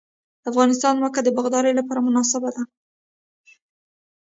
د افغانستان ځمکه د باغدارۍ لپاره مناسبه ده